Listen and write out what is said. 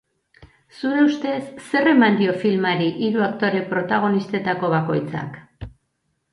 Zure ustez, zer eman dio filmari hiru aktore protagonistetako bakoitzak?